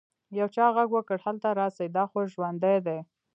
يو چا ږغ وکړ هلته راسئ دا خو ژوندى دى.